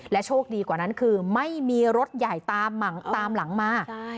โชคดีกว่านั้นคือไม่มีรถใหญ่ตามหลังมา